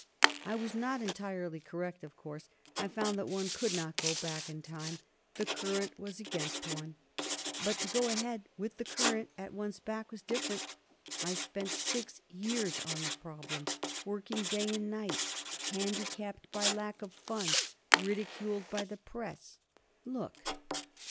"I was not entirely correct, of course. I found that one could not go back in time. The current was against one. But to go ahead, with the current at one's back, was different. I spent six years on the problem, working day and night, handicapped by lack of funds, ridiculed by the press Look!"